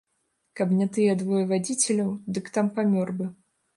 Каб не тыя двое вадзіцеляў, дык там памёр бы.